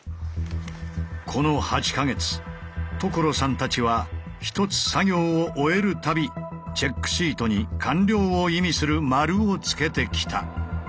この８か月所さんたちは１つ作業を終える度チェックシートに完了を意味する丸をつけてきた。